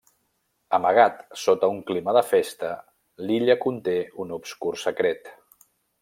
Amagat sota un clima de festa, l'illa conté un obscur secret.